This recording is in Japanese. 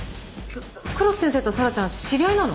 黒木先生と紗良ちゃん知り合いなの？